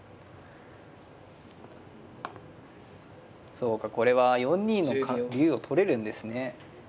そうかこれは４二の竜を取れるんですね。